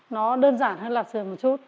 nó đơn giản hơn là sườn một chút